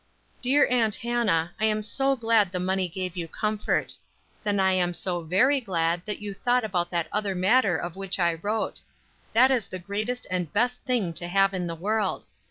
"Dear Aunt Hannah, I am so glad the money gave you comfort. Then I am so very glad that you thought about that other matter of which I wrote; that is the greatest and best thing to have in the world.